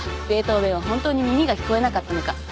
ベートーベンは本当に耳が聞こえなかったのか。